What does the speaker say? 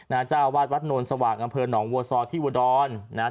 นาจาวาสวัดนนท์สวากอำเภอหนองวัวซอที่อุดรนะฮะ